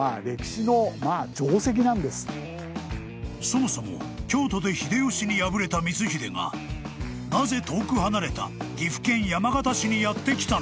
［そもそも京都で秀吉に敗れた光秀がなぜ遠く離れた岐阜県山県市にやって来たのか？］